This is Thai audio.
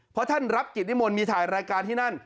เพราะท่านรับกิจนิมนต์มีถ่ายรายการที่นั่น